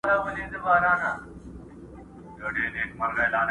راوړئ پلار مي په رضا وي که په زوره.